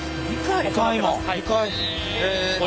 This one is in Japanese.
２回も！